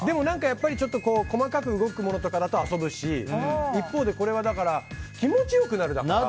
やっぱり細かく動くものだと遊ぶし一方でこれは気持ちよくなるだから。